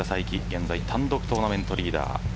現在、単独トーナメントリーダー。